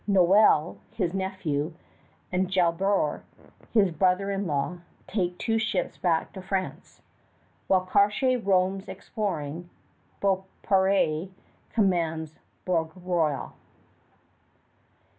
Noel, his nephew, and Jalobert, his brother in law, take two ships back to France. While Cartier roams exploring, Beaupré commands Bourg Royal.